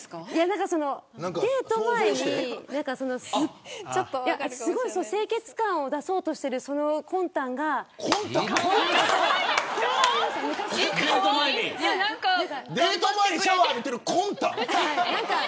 デート前に清潔感を出そうとしている、その魂胆がデート前にシャワーを浴びている魂胆。